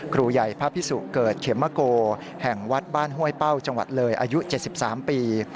ครูใหญ่พระพิสุเกิดเขมโกแห่งวัดบ้านห้วยเป้าจังหวัดเลยอายุ๗๓ปี